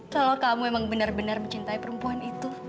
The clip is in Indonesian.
kalau kamu emang bener bener mencintai perempuan itu